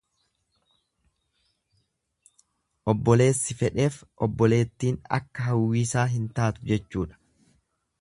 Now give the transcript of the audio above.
Obboleessi fedheef obboleettin akka hawwiisaa hin taatu jechuudha.